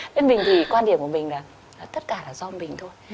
bên mình thì quan điểm của mình là tất cả là do mình thôi